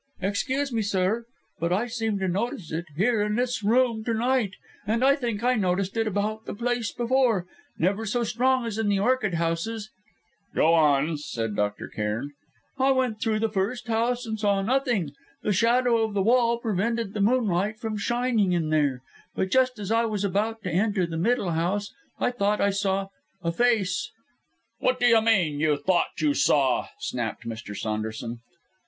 "Excuse me, sir, but I seem to notice it here in this room to night, and I think I noticed it about the place before never so strong as in the orchid houses." "Go on!" said Dr. Cairn. "I went through the first house, and saw nothing. The shadow of the wall prevented the moonlight from shining in there. But just as I was about to enter the middle house, I thought I saw a face." "What do you mean you thought you saw?" snapped Mr. Saunderson.